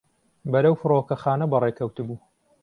بەرەو فڕۆکەخانە بەڕێکەوتبوو.